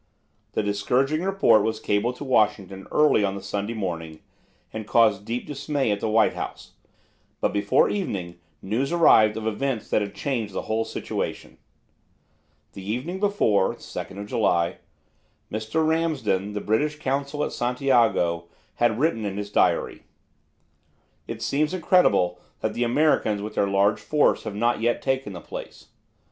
This discouraging report was cabled to Washington early on the Sunday morning, and caused deep dismay at the White House, but before evening news arrived of events that had changed the whole situation. The evening before (2 July) Mr. Ramsden, the British Consul at Santiago, had written in his diary: "It seems incredible that the Americans with their large force have not yet taken the place.